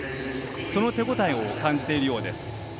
その手応えを感じているようです。